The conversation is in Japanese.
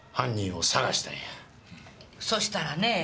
そしたらねえ